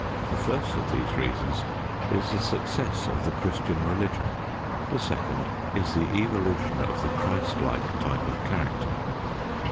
The first of these reasons is, the success of the Christian religion; the second is, the evolution of the Christlike type of character.